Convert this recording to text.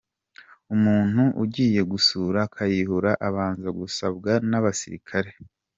Umuntu ugiye gusura Kayihura abanza gusabwa n’ abasirikare.